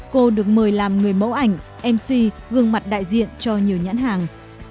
cô được mời làm người mẫu ảnh mc gương mặt đại diện cho nhiều nhãn hàng